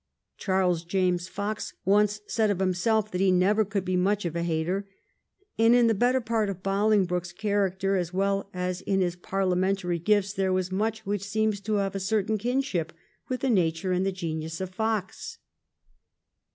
Charles James Fox once said of himself that he never could be much of a hater, and in the better part of Bolingbroke's character as well as in his parliamentary gifts there was much which seems to have a certain kinship with the nature and the genius of Fox.